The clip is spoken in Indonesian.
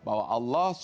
bahwa allah swt